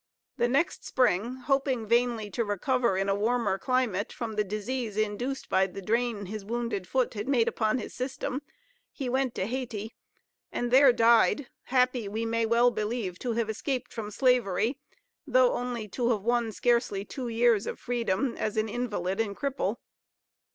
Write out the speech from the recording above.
The next spring, hoping vainly to recover in a warmer climate from the disease induced by the drain his wounded foot had made upon his system, he went to Hayti, and there died; happy, we may well believe, to have escaped from slavery, though only to have won scarely two years of freedom as an invalid and a cripple.